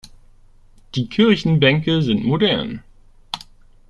Die Kirchenbänke sind modern.